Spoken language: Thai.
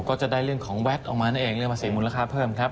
ก็จะได้เรื่องของแหวดออกมาอีกเรื่องประสิทธิ์มูลราคาเพิ่มครับ